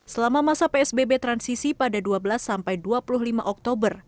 selama masa psbb transisi pada dua belas sampai dua puluh lima oktober